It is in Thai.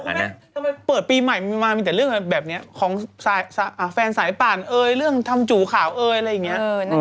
ทำไมเปิดปีใหม่มามีแต่เรื่องแบบนี้ของแฟนสายปั่นเอ่ยเรื่องทำจูข่าวเอยอะไรอย่างนี้